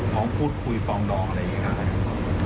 หอมพูดคุยฟองดองอะไรอย่างงี้นะครับ